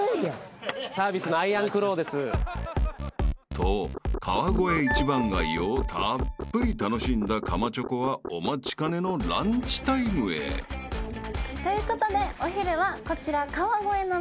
［と川越一番街をたっぷり楽しんだかまチョコはお待ちかねのランチタイムへ］ということでお昼はこちら。